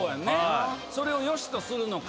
それをよしとするのか。